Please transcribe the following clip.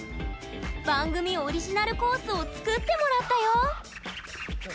番組オリジナルコースを作ってもらったよ！